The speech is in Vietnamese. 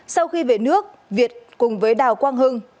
sau khi về nước việt cùng với đào quang hưng